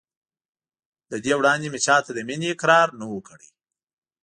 له دې وړاندې مې چا ته د مینې اقرار نه و کړی.